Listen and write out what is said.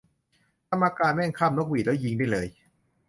กรรมการแม่งคาบนกหวีดแล้วยิงได้เลย